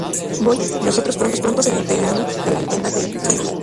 Boyd y los otros pronto se enteraron de la leyenda del wendigo.